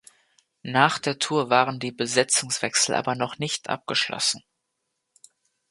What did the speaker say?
Nach der Tour waren die Besetzungswechsel aber noch nicht abgeschlossen.